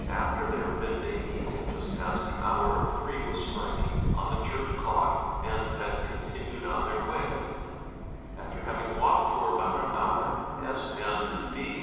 after their midday meal just as the hour of three was striking on the church clock and had continued on their way; — after having walked for about an hour, Sp. and B.